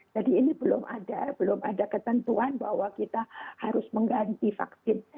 jadi ini belum ada ketentuan bahwa kita harus mengganti vaksin